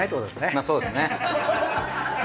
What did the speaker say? まあそうですね。